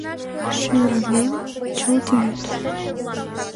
Шӱр лем — чылт вӱд.